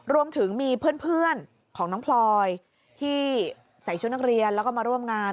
รวมถึงมีเพื่อนของน้องพลอยที่ใส่ชุดนักเรียนแล้วก็มาร่วมงาน